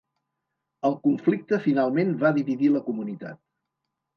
El conflicte finalment va dividir la comunitat.